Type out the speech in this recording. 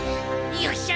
よっしゃ！